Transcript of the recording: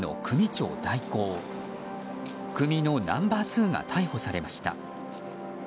組のナンバー２が逮捕されました。